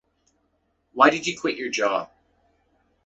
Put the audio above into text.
Why did you quit you job?